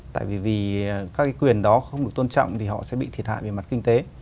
tại vì vì các cái quyền đó không được tôn trọng thì họ sẽ bị thiệt hại về mặt kinh tế